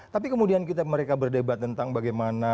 tapi kemudian mereka berdebat tentang bagaimana